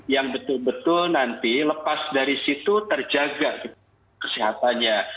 yang betul betul nanti lepas dari situ terjaga kesehatannya